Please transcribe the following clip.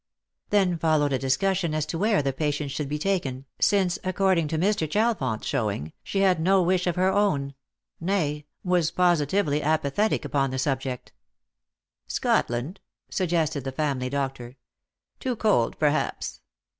Then followed a discussion as to where the patient should be taken, since, according to Mr. Chalfont's showing, she had no wish of her own — nay, was positively apathetic upon the eubject. 300 Lost for Love. "Scotland," suggested the family doctor. "Too cold perhaps."